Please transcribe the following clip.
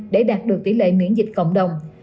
để đạt được tỷ lệ miễn dịch cộng đồng